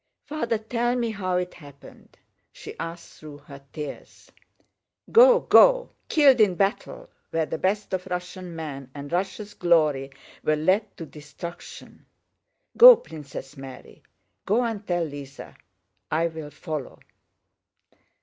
"Father, tell me how it happened," she asked through her tears. "Go! Go! Killed in battle, where the best of Russian men and Russia's glory were led to destruction. Go, Princess Mary. Go and tell Lise. I will follow."